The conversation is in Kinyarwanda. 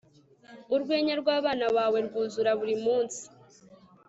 urwenya rwabana bawe rwuzura buri munsi